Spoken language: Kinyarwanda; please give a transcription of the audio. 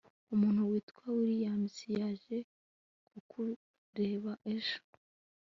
umuntu witwa williams yaje kukureba ejo